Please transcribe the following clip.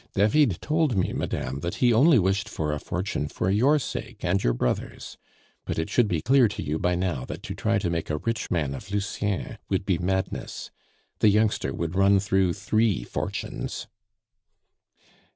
"David told me, madame, that he only wished for a fortune for your sake and your brother's; but it should be clear to you by now that to try to make a rich man of Lucien would be madness. The youngster would run through three fortunes."